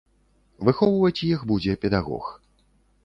Выхоўваць іх будзе педагог.